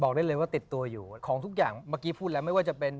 ได้เลยว่าติดตัวอยู่ของทุกอย่างเมื่อกี้พูดแล้วไม่ว่าจะเป็น